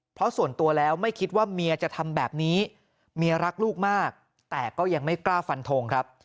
เพราะส่วนตัวแล้วไม่คิดว่าเมียจะทำแบบนี้เมียรักลูกมากแต่ก็ยังไม่กล้าฟันทงครับ